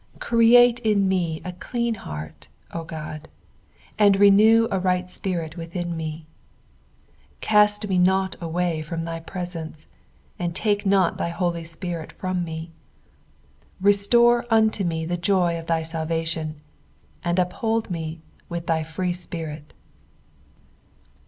10 Create in me a clean heart, O God ; and renew a right spirit within me. 11 Cast mc not away from thypresence ; and take not thy holy spirit from me, 13 Restore unto me the joy of thy salvation ; and uphold me with thy free spirit.